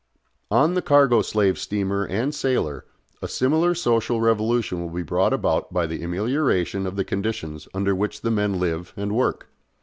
On the cargo slave steamer and sailer a similar social revolution will be brought about by the amelioration of the conditions under which the men live and work.